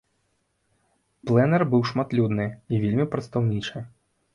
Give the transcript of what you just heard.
Пленэр быў шматлюдны і вельмі прадстаўнічы.